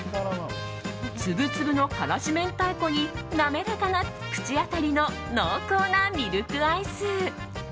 粒々の辛子明太子に滑らかな口当たりの濃厚なミルクアイス。